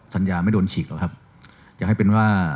สัญญาไม่โดนฉีกหรอกครับอยากให้เป็นว่า